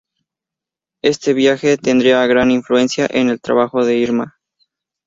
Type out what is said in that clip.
Este viaje tendría gran influencia en el trabajo de Irma.